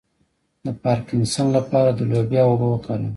د پارکینسن لپاره د لوبیا اوبه وکاروئ